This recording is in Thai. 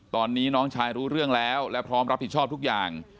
ตอนนี้น้องชายรู้เรื่องแล้วและพร้อมรับผิดชอบทุกอย่าง